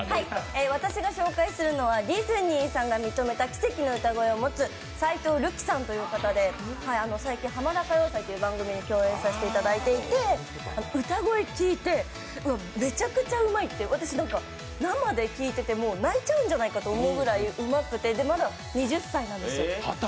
私が紹介するのは、ディズニーさんが認めた奇跡の歌声を持つ斎藤瑠希さんという方で最近「ハマダ歌謡祭」で共演させていただいて歌声を聴いて、なんてうまいんだと私、生で聴いてても泣いちゃうんじゃないかと思うぐらいうまくて、まだ２０歳なんですよ。